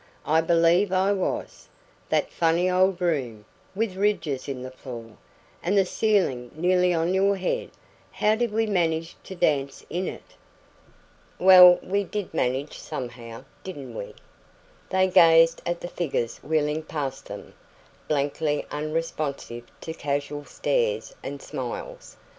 I believe I was. That funny old room, with ridges in the floor, and the ceiling nearly on your head how DID we manage to dance in it?" "Well, we did manage somehow, didn't we?" They gazed at the figures wheeling past them, blankly unresponsive to casual stares and smiles.